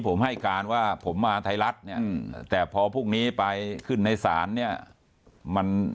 ผมให้การว่าผมมาไทยรัฐแต่พอพวกนี้ไปขึ้นในสารเนี่ยมัน